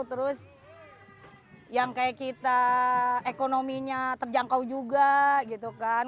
terus yang kayak kita ekonominya terjangkau juga gitu kan